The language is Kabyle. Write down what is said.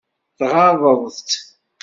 Tɣaḍeḍ-tt?